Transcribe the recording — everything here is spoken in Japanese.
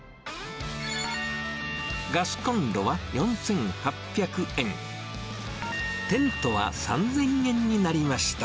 ガスコンロは４８００円、テントは３０００円になりました。